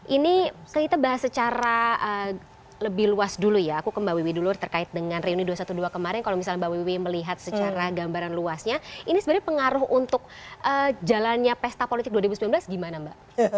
ini kita bahas secara lebih luas dulu ya aku ke mbak wiwi dulu terkait dengan reuni dua ratus dua belas kemarin kalau misalnya mbak wiwi melihat secara gambaran luasnya ini sebenarnya pengaruh untuk jalannya pesta politik dua ribu sembilan belas gimana mbak